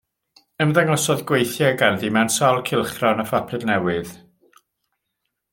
Ymddangosodd gweithiau ganddi mewn sawl cylchgrawn a phapur newydd.